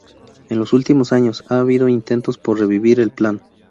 En los últimos años, ha habido intentos por revivir el plan.